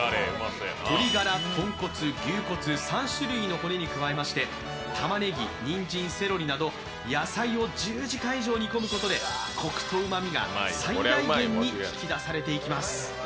鶏がら、豚骨、牛骨、３種類の骨に加えましてたまねぎ、にんじん、セロリなど野菜を１０時間以上煮込むことでコクとうまみが最大限に引き出されていきます。